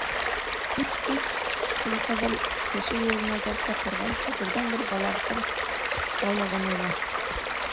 Кит, кит... һин, ҡыҙым, кеше юлына кәртә ҡорғансы, берҙән-бер баландың һаулығын уйла!